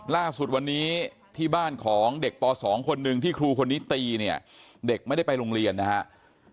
ล่าสุดวันนี้ที่บ้านของเด็กป๒คนหนึ่งที่ครูคนนี้ตีเนี่ยเด็กไม่ได้ไปโรงเรียนนะครับ